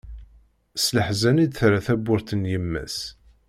S leḥzen i d-terra tawwurt n yemma-s.